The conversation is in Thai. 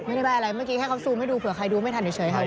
ไม่ได้ใบ้อะไรเมื่อกี้แค่เขาซูมให้ดูเผื่อใครดูไม่ทันเฉยค่ะ